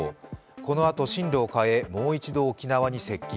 このあと進路を変えもう一度沖縄に接近。